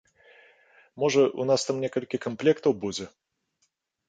Можа, у нас там некалькі камплектаў будзе?